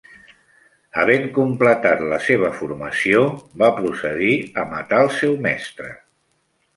Havent completat la seva formació, va procedir a matar el seu mestre.